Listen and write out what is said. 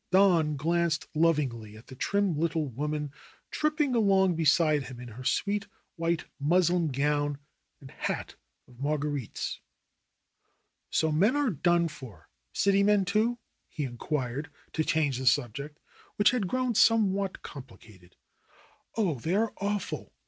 Don glanced lovingly at the trim little woman trip ping along beside him in her sweet white muslin gown and hat of marguerites. "So men are done for — city men, too ?" he inquired to change the subject, which had grown somewhat compli cated. "Oh, they are awful!